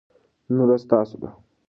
نن ورځ ستاسو ده.